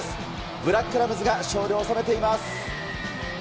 ブラックラムズが勝利を収めています。